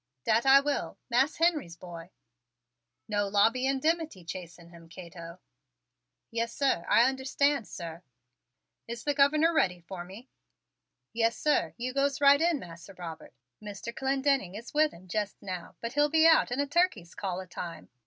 "Dat I will Mas' Henry's boy!" "No lobbying dimity chasing him, Cato!" "Yes, sir; I understands, sir." "Is the Governor ready for me?" "Yes, sir, you's to go right in, Mas' Robert. Mr. Clendenning is with him jest now, but he'll be out in a turkey's call of time.